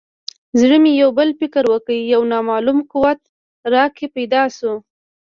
زړه مې یو بل فکر وکړ یو نامعلوم قوت راکې پیدا شو.